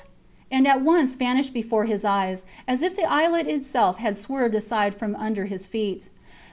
and at once vanished before his eyes, as if the islet itself had swerved aside from under her feet.